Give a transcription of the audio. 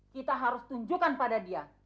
kita harus tunjukkan pada dia